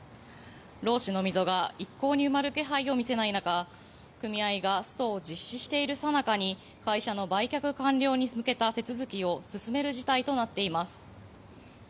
労使の溝が一向に埋まる気配を見せない中組合がストを実施しているさなかに会社の売却完了に向けた手続きを進める事態となっています。